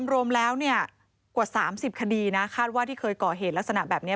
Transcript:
รวมแล้วกว่า๓๐คดีนะคาดว่าที่เคยก่อเหตุลักษณะแบบนี้